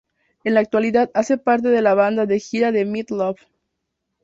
En la actualidad hace parte de la banda de gira de Meat Loaf.